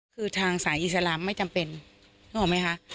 คือทางสายอิสลามไม่จำเป็นนึกออกไหมคะ